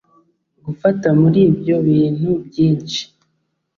gufata muri ibyo bintu byinshi